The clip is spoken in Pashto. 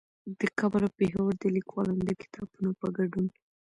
د کابل او پېښور د ليکوالانو د کتابونو په ګډون